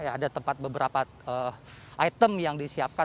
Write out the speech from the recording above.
ada tempat beberapa item yang disiapkan